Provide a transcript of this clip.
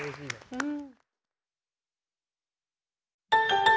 うん。